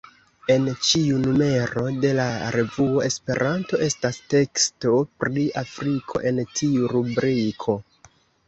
En ĉiu numero de la revuo Esperanto estas teksto pri Afriko en tiu rubriko.